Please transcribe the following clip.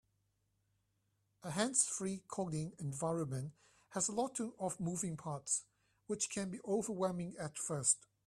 A hands-free coding environment has a lot of moving parts, which can be overwhelming at first.